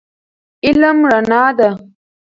علم رڼا ده